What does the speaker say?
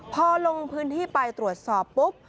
พอลงพื้นที่ไปตรวจสอบปุ๊บ